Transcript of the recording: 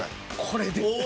これです。